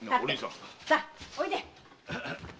さあおいで！